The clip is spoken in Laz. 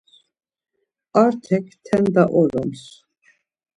Artek Tenda oroms.